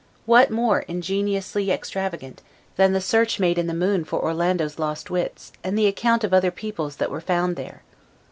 What more ingeniously extravagant, than the search made in the moon for Orlando's lost wits, and the account of other people's that were found there?